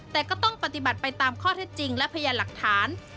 แต่ก็ต้องปฏิบัติไปตามข้อเท็จจริงและพยานหลักฐาน